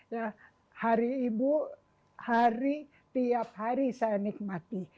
ya hari ibu hari tiap hari saya nikmati